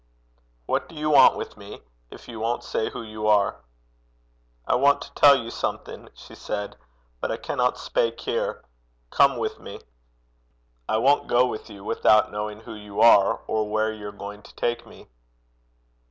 'What do you want with me if you won't say who you are?' 'I want to tell you something,' she said; 'but I canna speyk here. Come wi' me.' 'I won't go with you without knowing who you are or where you're going to take me.'